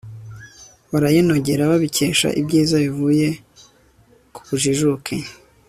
barayinogera babikesha ibyiza bivuye ku bujijuke